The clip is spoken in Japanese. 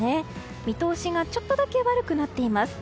見通しがちょっとだけ悪くなっています。